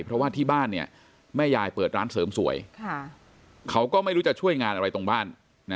เพราะว่าที่บ้านแม่ยายเปิดร้านเสริมสวยเขาก็ไม่รู้จะช่วยงานอะไรตรงบ้าน